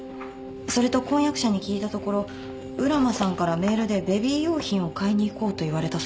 それと婚約者に聞いたところ浦真さんからメールで「ベビー用品を買いにいこう」と言われたそうです。